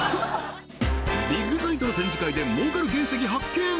ビッグサイトの展示会で儲かる原石発見！